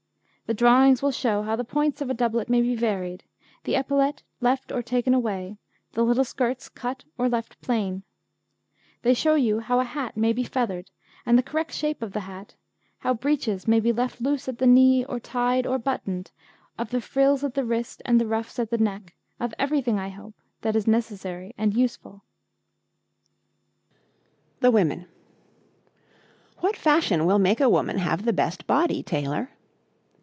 The drawings will show how the points of a doublet may be varied, the epaulette left or taken away, the little skirts cut or left plain. They show you how a hat may be feathered and the correct shape of the hat; how breeches may be left loose at the knee, or tied, or buttoned; of the frills at the wrist and the ruffs at the neck of everything, I hope, that is necessary and useful. [Illustration: {A man of the time of James I.}] THE WOMEN 'What fashion will make a woman have the best body, tailor?'